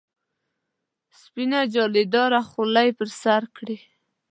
سپینه جالۍ داره خولۍ پر سر کړي.